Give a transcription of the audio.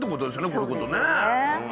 こういうことをね。